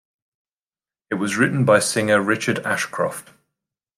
It was written by singer Richard Ashcroft.